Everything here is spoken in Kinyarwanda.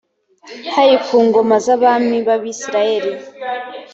hari ku ngoma z’abami b’abisirayeli